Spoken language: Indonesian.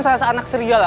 salah seanak serjala